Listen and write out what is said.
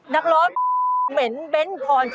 นักร้องเหม็นเบ้นพรที่ใจ